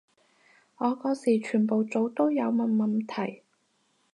我嗰時全部組都有問問題